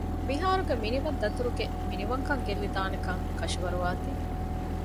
މިހާރުގެ މިނިވަން ދަތުރުގެ މިނިވަންކަން ގެއްލިދާނެކަން ކަށަވަރުވާތީ